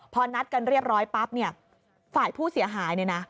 พอนัดกันเรียบร้อยปั๊บเนี่ยฝ่ายผู้เสียหายเนี่ยนะ